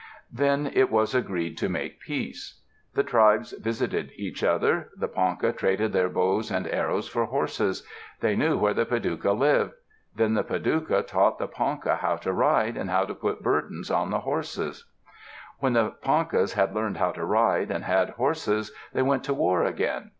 Then it was agreed to make peace. The tribes visited each other. The Ponca traded their bows and arrows for horses. They knew where the Padouca lived. Then the Padouca taught the Ponca how to ride, and how to put burdens on the horses. When the Ponca had learned how to ride, and had horses, they went to war again.